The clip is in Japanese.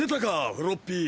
フロッピー。